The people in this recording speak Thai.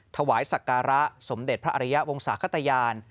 ถวายศักระสมเด็จพระอริยะวงศาขตยาน